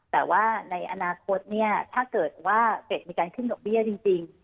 แต่ว่าในอนาคตเนี่ยถ้าเกิดว่าเฟสมีการขึ้นดอกเบี้ยจริง